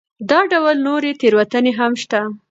دا ډول نورې تېروتنې هم شته.